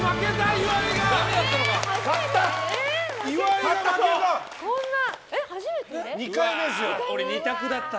岩井が負けた！